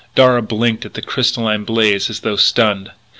Darragh blinked at the crystalline blaze as though stunned.